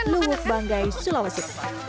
lubuk banggai sulawesi